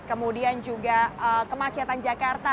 kemudian juga kemacetan jakarta